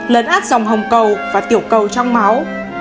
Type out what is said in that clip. lấn át dòng hồng cầu và tiểu cầu trong máu